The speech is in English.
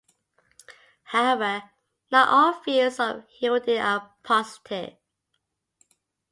However, not all views of Herodian are positive.